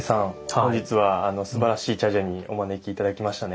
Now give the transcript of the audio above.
本日はすばらしい茶事にお招き頂きましたね。